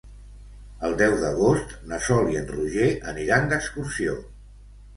El deu d'agost na Sol i en Roger aniran d'excursió.